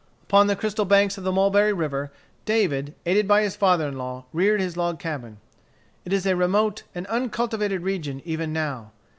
Upon the crystal banks of the Mulberry River, David, aided by his father in law, reared his log cabin. It is a remote and uncultivated region even now.